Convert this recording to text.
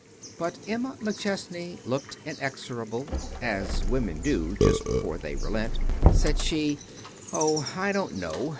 But Emma McChesney looked inexorable, as women do just before they relent. Said she: "Oh, I don't know.